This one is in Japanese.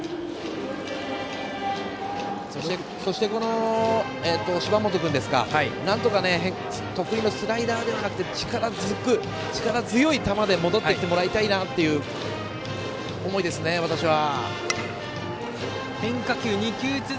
そして、芝本君なんとか得意のスライダーではなくて力ずく、力強い球で戻ってきてもらいたいなという思いですね、私は。